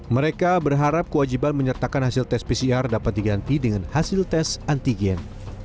mereka berharap kewajiban menyertakan hasil tes pcr dapat diganti dengan hasil tes antigen